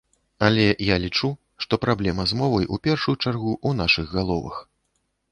Але я лічу, што праблема з мовай у першую чаргу ў нашых галовах.